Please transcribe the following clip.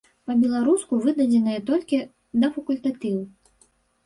Па-беларуску выдадзеныя толькі да факультатыву.